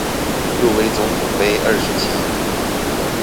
入圍總統盃二十強